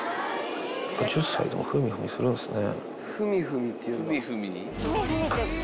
１０歳でもふみふみするんですね。